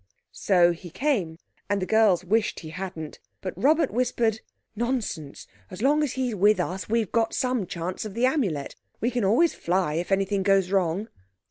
So he came, and the girls wished he hadn't. But Robert whispered— "Nonsense—as long as he's with us we've got some chance of the Amulet. We can always fly if anything goes wrong."